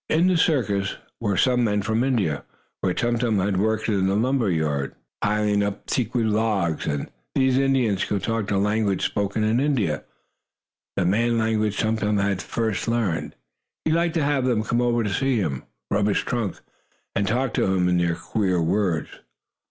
In the circus were some men from India, where Tum Tum had worked in the lumber yard, piling up teakwood logs, and these Indians could talk the language spoken in India the man language Tum Tum had first learned. He liked to have them come to see him, rub his trunk, and talk to him in their queer words.